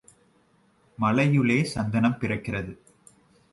மலையுளே சந்தனம் பிறக்கிறது.